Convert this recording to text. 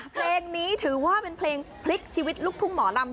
เพลงนี้ถือว่าเป็นเพลงพลิกชีวิตลูกทุ่งหมอลำ